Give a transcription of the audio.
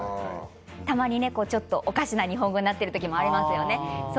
たまにちょっとおかしな日本語になってる時がありますよね。